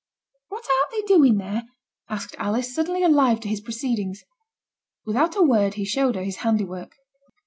'What art thee doing there?' asked Alice, suddenly alive to his proceedings. Without a word he showed her his handiwork.